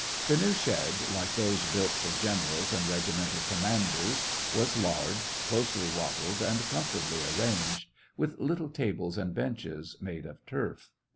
The new shed, like those built for generals and regimental commanders, was large, closely wattled, and comfortably arranged, with little tables and benches, made of turf.